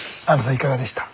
いかがでした？